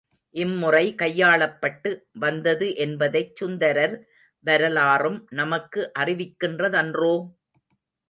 இம்முறை கையாளப்பட்டு வந்தது என்பதைச் சுந்தரர் வரலாறும் நமக்கு அறிவிக்கின்றதன்றோ!